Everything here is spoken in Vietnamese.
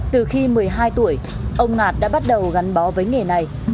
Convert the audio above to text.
từ khi một mươi hai tuổi ông ngạt đã bắt đầu gắn bó với nghề này